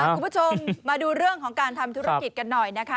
คุณผู้ชมมาดูเรื่องของการทำธุรกิจกันหน่อยนะคะ